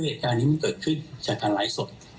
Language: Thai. เหตุการณ์นี้มันเกิดขึ้นจากการไลฟ์สด